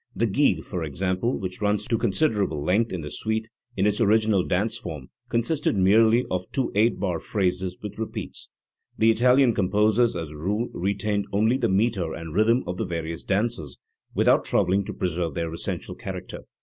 The gigue, for example, which runs to considerable length in the suite, in its original dance* form consisted merely of two eight bar phrases with repeats* The Italian composers as a rule retained only the metre and rhythm of the various dances, without troubling to preserve their essential character.